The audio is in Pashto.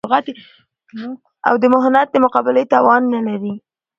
او د محنت د مقابلې توان نه لري